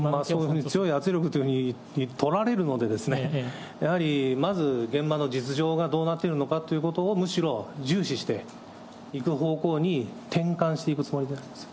そういうふうに強い圧力というふうにとられるので、やはりまず、現場の実情がどうなっているのかということをむしろ重視していく方向に転換していくつもりであります。